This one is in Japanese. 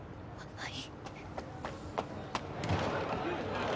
はい！